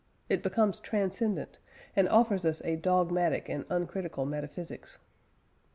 It becomes transcendent, and offers us a dogmatic and uncritical metaphysics" (p.